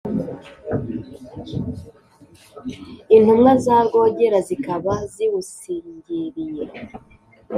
intumwa za rwogera zikaba ziwusingiriye